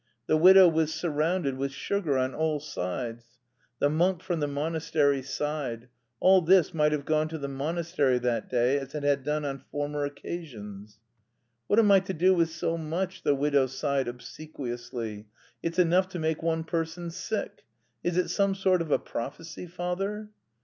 The widow was surrounded with sugar on all sides. The monk from the monastery sighed; all this might have gone to the monastery that day as it had done on former occasions. "What am I to do with so much," the widow sighed obsequiously. "It's enough to make one person sick!... Is it some sort of a prophecy, father?"